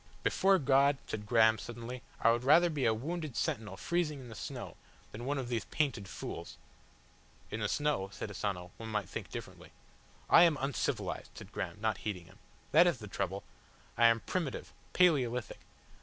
"Before God," said Graham, suddenly, "I would rather be a wounded sentinel freezing in the snow than one of these painted fools!" "In the snow," said Asano, "one might think differently." "I am uncivilised," said Graham, not heeding him. "That is the trouble. I am primitive Paleolithic.